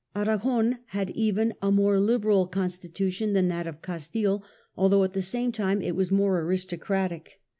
Aragon had even a more liberal constitution than Constitu that of Castile, although at the same tnne it was moregon aristocratic.